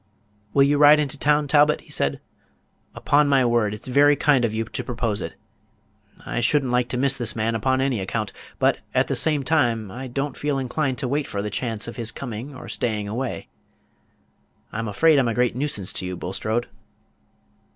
"Will you ride into the town, Talbot?" he said. "Upon my word, it's very kind of you to propose it. I should n't like to miss this man upon any account; but, at the same time, I don't feel inclined to wait for the chance of his coming or staying away. I'm afraid I'm a great nuisance to you, Bulstrode."